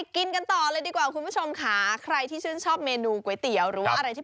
กินกันต่อเลยดีกว่าคุณผู้ชมค่ะใครที่ชื่นชอบเมนูก๋วยเตี๋ยวหรือว่าอะไรที่